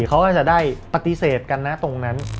เขาก็จะได้ปฏิเสธกันนะตรงนั้น